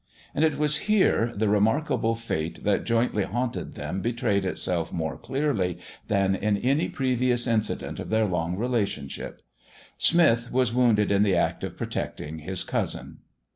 And it was here the remarkable fate that jointly haunted them betrayed itself more clearly than in any previous incident of their long relationship Smith was wounded in the act of protecting his cousin.